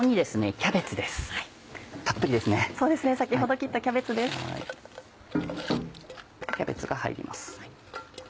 キャベツが入ります。